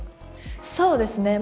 そうですね。